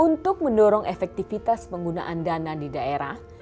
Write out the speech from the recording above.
untuk mendorong efektivitas penggunaan dana di daerah